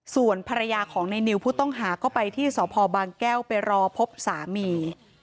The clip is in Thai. ส่วนภรรยาของในนิวผู้ต้องหาก็ไปที่สพบางแก้วไปรอพบสามี